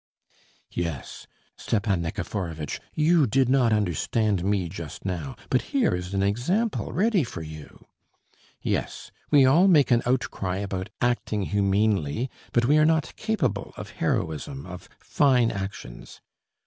"Yes, Stepan Nikiforovitch! You did not understand me just now, but here is an example ready for you. "Yes, we all make an outcry about acting humanely, but we are not capable of heroism, of fine actions.